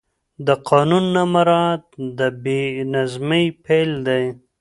د قانون نه مراعت د بې نظمۍ پیل دی